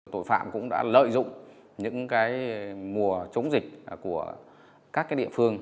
tội phạm cũng đã lợi dụng những cái mùa chống dịch của các cái địa phương